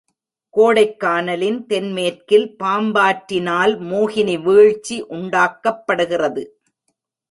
கோடைக்கானலின் தென்மேற்கில் பாம்பாற்றினால் மோகினி வீழ்ச்சி உண்டாக்கப்படுகிறது.